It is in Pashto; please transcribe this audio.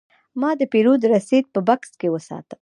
ما د پیرود رسید په بکس کې وساته.